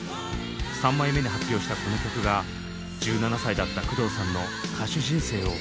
３枚目に発表したこの曲が１７歳だった工藤さんの歌手人生を決定づけます。